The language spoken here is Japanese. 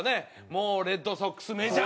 もうレッドソックスメジャー。